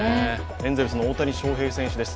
エンゼルスの大谷翔平選手です。